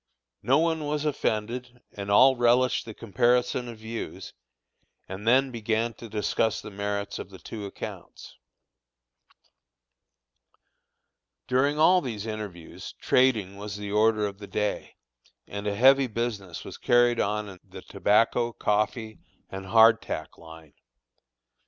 No one was offended, and all relished the comparison of views, and then began to discuss the merits of the two accounts. [Illustration: CAVALRY PICKETS MEETING IN THE RAPPAHANNOCK.] During all these interviews trading was the order of the day, and a heavy business was carried on in the tobacco, coffee, and hard tack line.